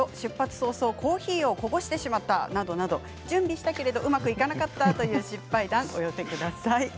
早々コーヒーをこぼしてしまったなど準備はしたけどうまくいかなかったという失敗談をお寄せください。